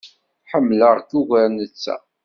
Ḥemmleɣ-k ugar netta.